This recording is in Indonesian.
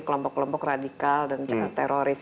kelompok kelompok radikal dan juga teroris